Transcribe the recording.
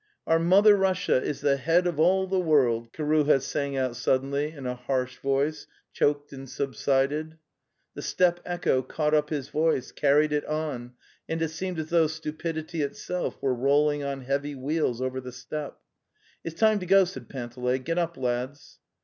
'Our Mother Russia is the he ad of all the world!' Kiruha sang out suddenly in a harsh voice, choked and subsided. The steppe echo caught up his voice, carried it on, and it seemed as though stupidity itself were rolling on heavy wheels over the steppe. 'It's, time) to) go, said. Panteley (7. siaeur up: lads."